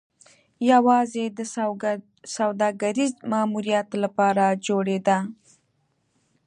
یوازې د سوداګریز ماموریت لپاره جوړېده.